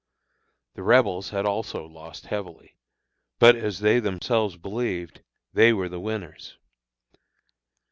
The Rebels had also lost heavily; but, as they themselves believed, they were the winners.